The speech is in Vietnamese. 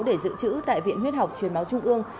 để giữ chữ tại viện huyết học truyền máu trung ương